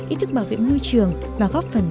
ý thức bảo vệ môi trường và góp phần